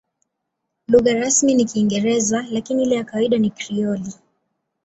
Lugha rasmi ni Kiingereza, lakini ile ya kawaida ni Krioli.